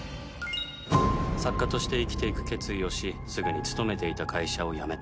作家として生きていく決意をしすぐに勤めていた会社を辞めた。